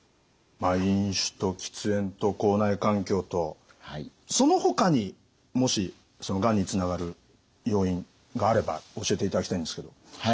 飲酒と喫煙と口内環境とそのほかにもしがんにつながる要因があれば教えていただきたいんですけど。